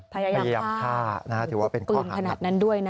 พยายามฆ่าหรือพกปืนขนาดนั้นด้วยนะ